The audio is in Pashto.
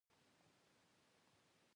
نن مې بيا زړه شين دی